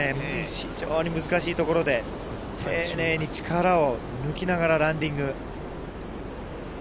非常に難しいところで、丁寧に力を抜きながらランディング。